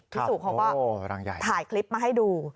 พี่สุเขาก็ถ่ายคลิปมาให้ดู